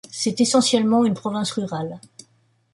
C'est essentiellement une province rurale.